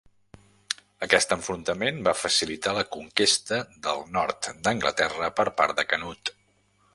Aquest enfrontament va facilitar la conquesta del nord d'Anglaterra per part de Canut.